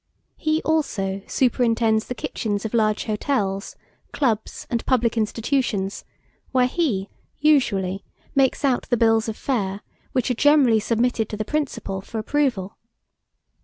He, also, superintends the kitchens of large hotels, clubs, and public institutions, where he, usually, makes out the bills of fare, which are generally submitted to the principal for approval.